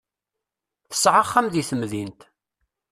Tesɛa axxam deg temdint.